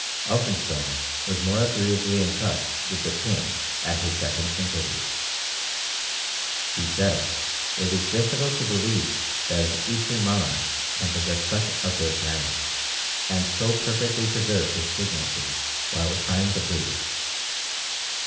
Elphinstone was more agreeably impressed with the king at his second interview. He says, "It is difficult to believe that an Eastern monarch can possess such a good manner, and so perfectly preserve his dignity while trying to please."